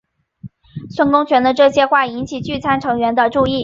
张公权的这些话引起聚餐成员的注意。